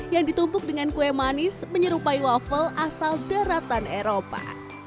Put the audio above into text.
yang ditumpuk dengan kue manis menyerupai waffle asal daratan eropa